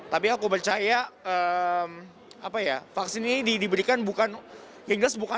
tapi aku percaya vaksin ini diberikan bukan genggas